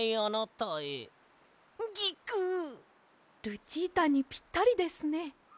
ルチータにぴったりですね。